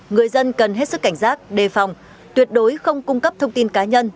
người dân cần hết sức cảnh giác đề phòng tuyệt đối không cung cấp thông tin cá nhân